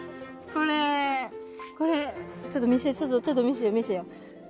これこれちょっと見せてちょっと見せてよ見せてよ